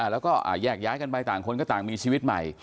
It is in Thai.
แล้วก็แยกย้ายกันไปต่างคนก็ต่างมีชีวิตใหม่